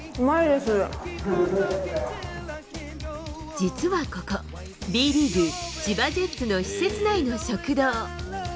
実はここ、Ｂリーグ千葉ジェッツの施設内の食堂。